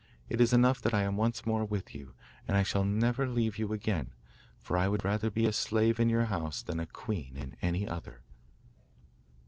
It is enough that I am once more with you, and I shall never leave you again, for I would rather be a slave in your house than queen in any other.